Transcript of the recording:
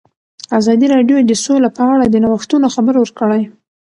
ازادي راډیو د سوله په اړه د نوښتونو خبر ورکړی.